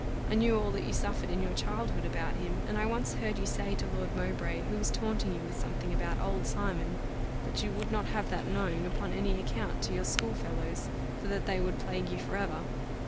I knew all that you suffered in your childhood about him, and I once heard you say to Lord Mowbray who was taunting you with something about old Simon, that you would not have that known, upon any account, to your school fellows, for that they would plague you for ever.